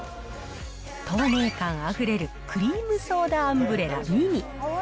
透明感あふれるクリームソーダアンブレラ・ミニ。